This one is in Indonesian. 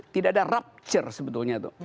tidak ada rupture sebetulnya